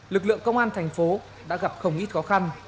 lực lượng công an thành phố đã gặp không ít khó khăn